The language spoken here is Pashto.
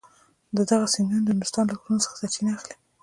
دغه سیندونه د نورستان له غرونو څخه سرچینه اخلي.